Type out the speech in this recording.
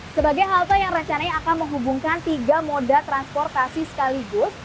sebagai halte yang rencananya akan menghubungkan tiga moda transportasi sekaligus